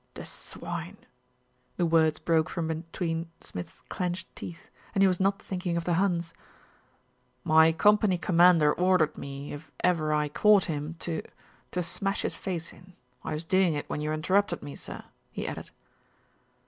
"The swine !" The words broke from between Smith's clenched teeth, and he was not thinking of the Huns. "My company commander ordered me, if ever I caught him, to to smash his face in. I was doing it when you interrupted me, sir," he added.